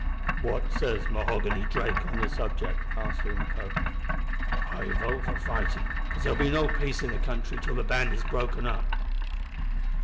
"What says Mahoghany Drake on the subject!" asked Unaco. "I vote for fightin', 'cause there'll be no peace in the country till the band is broken up."